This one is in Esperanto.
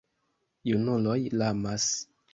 Junuloj lamas.